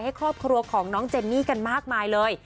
ให้ครอบครัวของน้องเจนนี่กันมากมายเลย